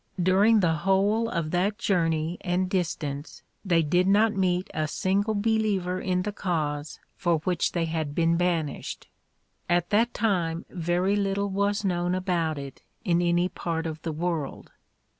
During the whole of that .journey and distance they did not meet a single believer in the cause for which they had been banished. At that time very little was known about it in any part of the world.